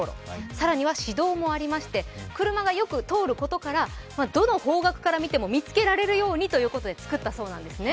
更には市道もありまして車がよく通ることからどの方角から見ても見つけられるようにということで作ったんだそうです。